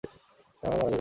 এটা আমার বাবার বাড়ি।